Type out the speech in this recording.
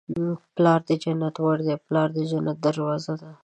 پلار د جنت ور دی. پلار د جنت دروازه ده